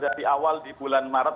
dari awal di bulan maret